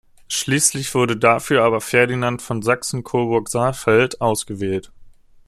Schließlich wurde dafür aber Ferdinand von Sachsen-Coburg-Saalfeld ausgewählt.